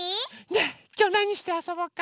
ねえきょうなにしてあそぼうか？